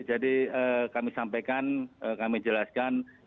jadi kami sampaikan kami jelaskan